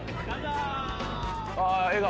「ああ笑顔！